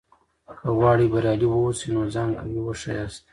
که غواړې بریالی واوسې؛ نو ځان قوي وښیاست.